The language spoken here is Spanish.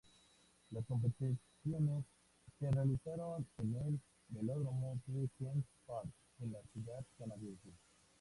Las competiciones se realizaron en el Velódromo de Queen's Park de la ciudad canadiense.